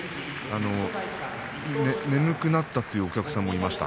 眠くなったというお客さんもいました。